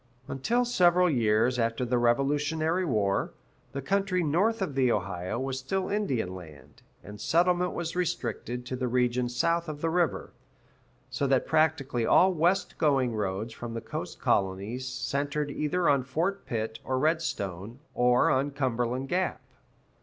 Until several years after the Revolutionary War, the country north of the Ohio was still Indian land, and settlement was restricted to the region south of the river; so that practically all West going roads from the coast colonies centered either on Fort Pitt or Redstone, or on Cumberland Gap.